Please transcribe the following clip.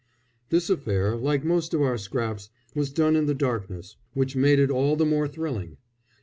This affair, like most of our scraps, was done in the darkness, which made it all the more thrilling.